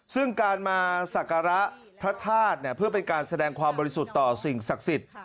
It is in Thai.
ซึ่งการมาสักการะพระธาตุเนี่ยเพื่อเป็นการแสดงความบริสุทธิ์ต่อสิ่งศักดิ์สิทธิ์